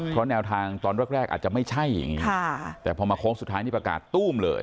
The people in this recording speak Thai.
เพราะแนวทางตอนแรกอาจจะไม่ใช่อย่างนี้แต่พอมาโค้งสุดท้ายนี่ประกาศตู้มเลย